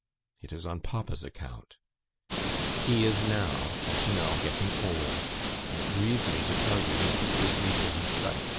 It is on papa's account; he is now, as you know, getting old, and it grieves me to tell you that he is losing his sight.